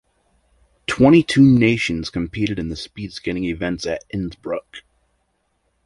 Twenty-two nations competed in the speed skating events at Innsbruck.